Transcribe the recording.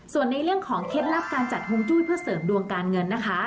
ส่วนในเรื่องของเคล็ดลับการจัดฮวงจุ้ยเพื่อเสริมดวงการเงินนะคะ